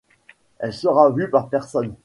Elle sera vue par personnes.